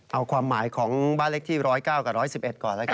เอาความหมายของบ้านเลขที่ร้อยเก้ากับร้อยสิบเอ็ดก่อนนะครับ